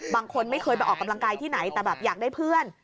บางคนไม่เคยไปออกกำลังกายที่ไหนแต่แบบอยากได้เพื่อน